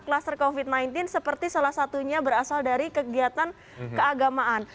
kluster covid sembilan belas seperti salah satunya berasal dari kegiatan keagamaan